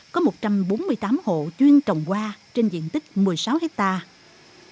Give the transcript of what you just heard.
có một trăm bốn mươi tám hộ chuyên trồng hoa trên diện tích một mươi sáu hectare